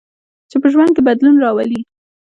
چې په ژوند کې بدلون راولي.